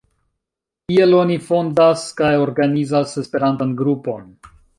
Kiel oni fondas kaj organizas Esperantan Grupon?